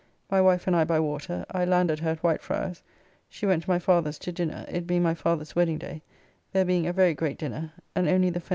My wife and I by water; I landed her at Whitefriars, she went to my father's to dinner, it being my father's wedding day, there being a very great dinner, and only the Fenners and Joyces there.